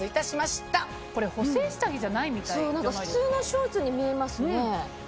そう普通のショーツに見えますね。